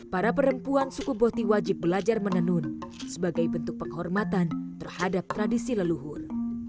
para perempuan suku boti wajib belajar menenun sebagai bentuk penghormatan terhadap tradisi leluhur